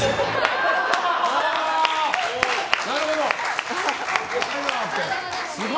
なるほど。